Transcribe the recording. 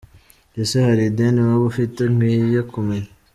Ese hari ideni waba ufite nkwiye kumenya?.